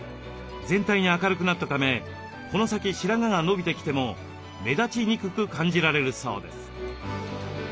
全体に明るくなったためこの先白髪が伸びてきても目立ちにくく感じられるそうです。